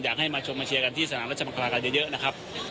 อยากให้มาชมมาเชียร์กันที่สนามรัชมัคลากันเยอะนะครับ